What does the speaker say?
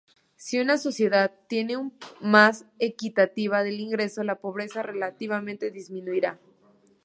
Si una sociedad tiene una más equitativa del ingreso, la pobreza relativa disminuirá.